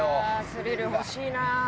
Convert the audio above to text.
スリル欲しいな。